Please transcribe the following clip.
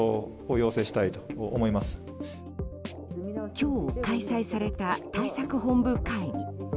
今日開催された対策本部会議。